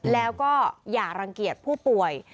แล้วก็อย่ารังเกียจผู้ป่วย